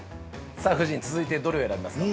◆さあ、夫人、続いてどれを選びますか。